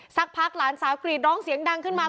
สักพักหลานสาวกรีดร้องเสียงดังขึ้นมา